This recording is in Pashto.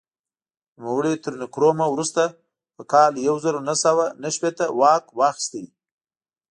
نوموړي تر نکرومه وروسته په کال یو زر نهه سوه نهه شپېته واک واخیست.